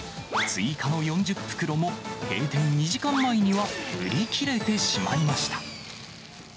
追加の４０袋も、閉店２時間前には売り切れてしまいました。